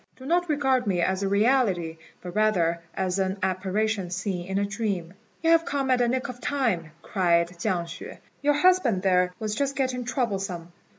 Do not regard me as a reality, but rather as an apparition seen in a dream." "You have come at the nick of time," cried Chiang hsüeh; "your husband there was just getting troublesome."